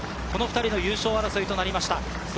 この２人の優勝争いとなりました。